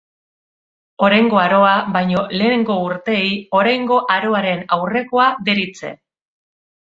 Oraingo Aroa baino lehengo urteei Oraingo Aroaren Aurrekoa deritze.